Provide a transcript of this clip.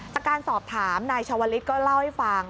จากการสอบถามนายชาวลิศก็เล่าให้ฟัง